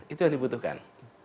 itu yang dibutuhkan